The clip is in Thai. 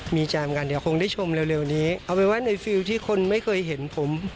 มีแจมกันเดี๋ยวคงได้ชมเร็วนี้เอาเป็นว่าในฟิลที่คนไม่เคยเห็นผม